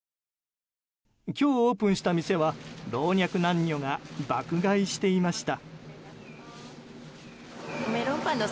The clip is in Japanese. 今日、オープンした店は老若男女が爆買いしていました。